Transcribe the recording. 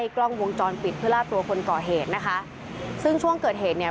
กล้องวงจรปิดเพื่อล่าตัวคนก่อเหตุนะคะซึ่งช่วงเกิดเหตุเนี่ย